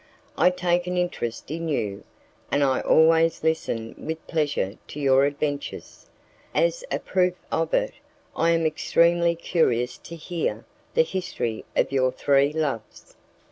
I take an interest in you, and I always listen with pleasure to your adventures. As a proof of it, I am extremely curious to hear the history of your three loves."